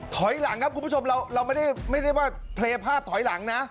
ถอยหลังครับคุณผู้ชมเราไม่ได้ว่าเพลย์ภาพถอยหลังนะ